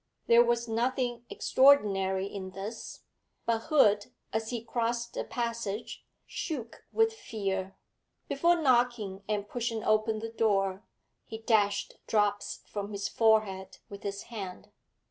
There was nothing extraordinary in this, but Hood, as he crossed the passage, shook with fear; before knocking and pushing open the door, he dashed drops from his forehead with his hand.